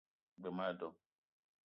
G-beu ma a do